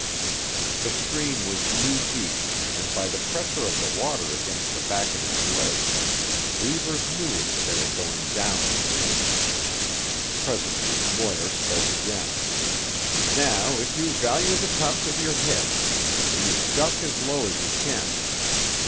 The stream was knee deep, and by the pressure of the water against the back of his legs Reivers knew that they were going down stream. Presently Moir spoke again. "Now, if you value the tops of your heads, do you duck as low as you can.